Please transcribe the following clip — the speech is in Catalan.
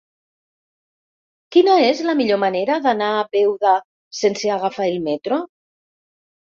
Quina és la millor manera d'anar a Beuda sense agafar el metro?